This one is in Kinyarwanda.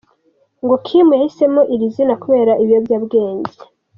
Ngo Kim yahisemo iri zina kubera ibiyobyabwenge.